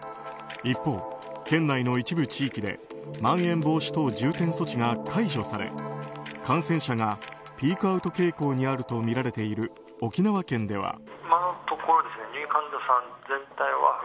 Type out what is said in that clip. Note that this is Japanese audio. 一方、県内の一部地域でまん延防止等重点措置が解除され感染者がピークアウト傾向にあるとみられている、沖縄県では。